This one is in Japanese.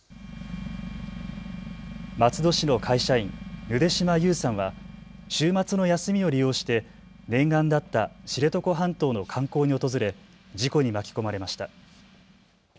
松戸市の会社員、ぬで島優さんは週末の休みを利用して念願だった知床半島の観光に訪れ事故に巻き込まれました。